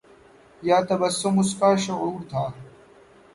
یا تبسم اُسکا شعور تھا